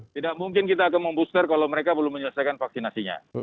tidak mungkin kita akan membooster kalau mereka belum menyelesaikan vaksinasinya